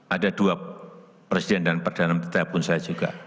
ada dua presiden dan perdana menteri pun saya juga